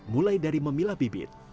mulai dari memilah bibit